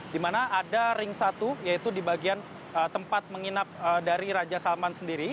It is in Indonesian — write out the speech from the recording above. di mana ada ring satu yaitu di bagian tempat menginap dari raja salman sendiri